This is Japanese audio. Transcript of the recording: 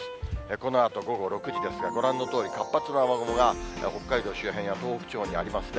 このあと午後６時ですが、ご覧のとおり、活発な雨雲が北海道周辺や東北地方にありますね。